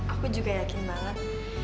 aku juga yakin banget